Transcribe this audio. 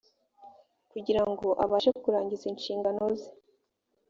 kugira ngo abashe kurangiza inshingano ze